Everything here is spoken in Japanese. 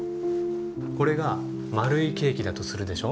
これが円いケーキだとするでしょ。